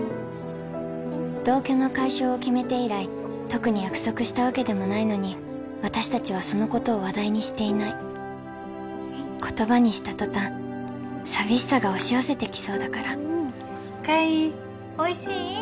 同居の解消を決めて以来特に約束したわけでもないのに私達はそのことを話題にしていない言葉にしたとたん寂しさが押し寄せてきそうだから海おいしい？